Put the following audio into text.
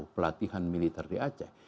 dua ribu sepuluh pelatihan militer di aceh